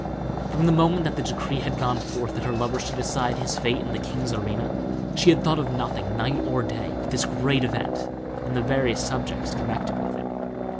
From the moment that the decree had gone forth that her lover should decide his fate in the king's arena, she had thought of nothing, night or day, but this great event and the various subjects connected with it.